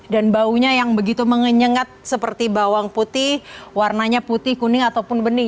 dan baunya yang begitu mengenyengat seperti bawang putih warnanya putih kuning ataupun benih